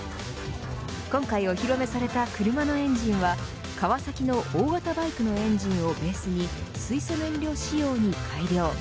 今回お披露目された車のエンジンはカワサキの大型バイクのエンジンをベースに水素燃料仕様に改良。